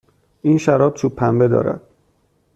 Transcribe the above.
این شراب چوب پنبه دارد.